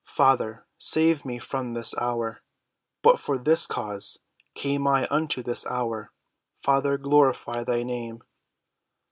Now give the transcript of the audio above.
Father, save me from this hour. But for this cause came I unto this hour. Father, glorify thy name."